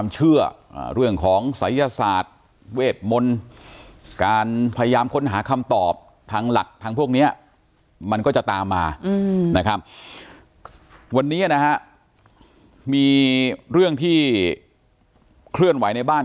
มันก็จะตามมานะครับวันนี้นะฮะมีเรื่องที่เคลื่อนไหวในบ้าน